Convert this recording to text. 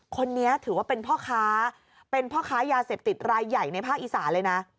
คนนี้ถือว่าเป็นพ่อค้าเป็นพ่อค้ายาเสพติดรายใหญ่ในภาคอีสานเลยนะ